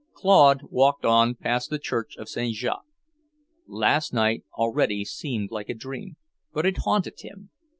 Claude walked on past the church of St. Jacques. Last night already seemed like a dream, but it haunted him.